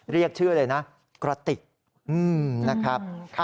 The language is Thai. เรียกชื่อเลยนะกระติก